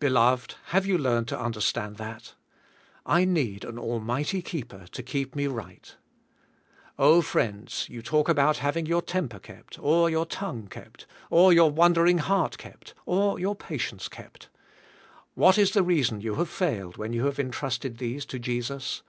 Beloved, have you learned to understand that? I need an almig hty keeper to keep me right. Oh friends, you talk about having your temper kept, or your tong ue kept, or your wandering heart kept, or your patience kept; what is the reason you have failed when you have entrusted these to Jesus?